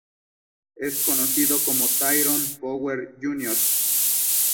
Es conocido como Tyrone Power, Jr.